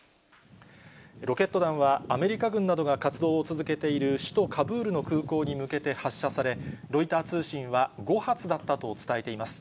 ロケット弾は、アメリカ軍などが活動を続けている首都カブールの空港に向けて発射され、ロイター通信は、５発だったと伝えています。